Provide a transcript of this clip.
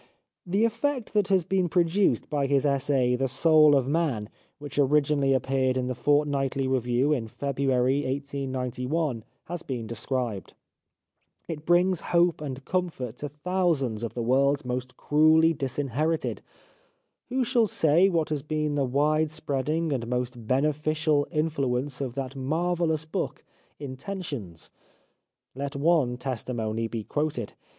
The effect that has been produced by his essay " The Soul of Man," which originally appeared in The Fortnightly Review in February 1891, has been described. It brings hope and comfort to 302 The Life of Oscar Wilde thousands of the world's most cruelly disin herited. Who shall say what has been the wide spreading and most beneficial influence of that marvellous book " Intentions "? Let one testimony be quoted.